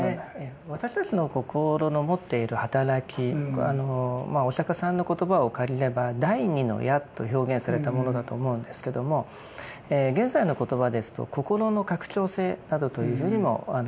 私たちの心の持っている働きお釈迦さんの言葉を借りれば「第２の矢」と表現されたものだと思うんですけども現在の言葉ですと「心の拡張性」などというふうにも表現されます。